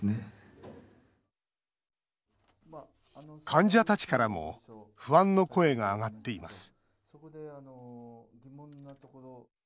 患者たちからも不安の声が上がっています